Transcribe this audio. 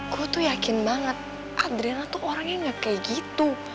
gue tuh yakin banget adrilla tuh orangnya gak kayak gitu